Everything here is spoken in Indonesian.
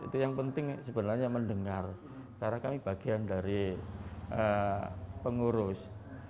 itu yang penting sebenarnya mendengar karena kami bagian dari pengurus